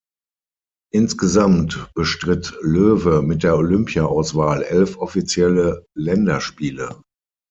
Insgesamt bestritt Löwe mit der Olympia-Auswahl elf offizielle Länderspiele.